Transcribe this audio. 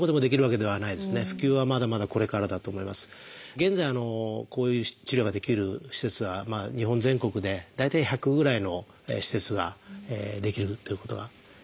現在こういう治療ができる施設は日本全国で大体１００ぐらいの施設ができるということがいわれてます。